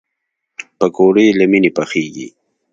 پکورې له مینې پخېږي